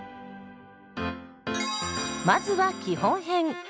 まずは基本編。